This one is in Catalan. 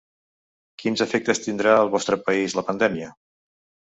Quins efectes tindrà al vostre país la pandèmia?